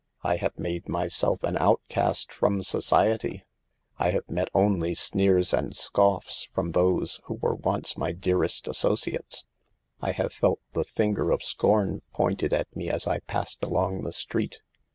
I have made myself an outcast from society, I have met only sneers and scoffs from those who were once my dearest associates. I have felt the finger of scorn pointed at me as I passed along the street.